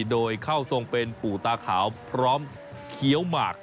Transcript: โดยเข้าทรงเป็นปู่ตาขาวพร้อมเคี้ยวหมาก